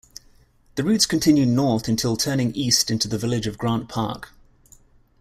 The routes continue north until turning east into the village of Grant Park.